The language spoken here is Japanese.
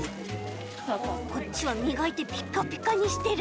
こっちはみがいてピッカピカにしてる。